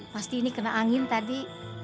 pasti ini kena angin tadi